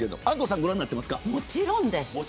もちろんです。